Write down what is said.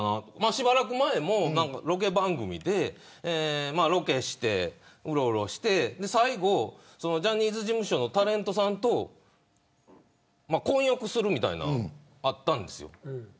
しばらく前もロケ番組でロケをして、うろうろして最後ジャニーズ事務所のタレントさんと混浴するみたいなのがあったんです。